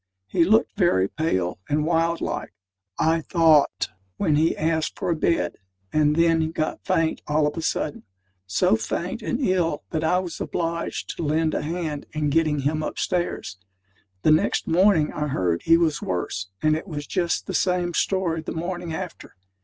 He looked very pale and wild like, I thought, when he asked for a bed; and then got faint all of a sudden so faint and ill, that I was obliged to lend a hand in getting him upstairs. The next morning I heard he was worse: and it was just the same story the morning after.